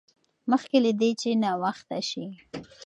مخکې له دې چې ناوخته شي.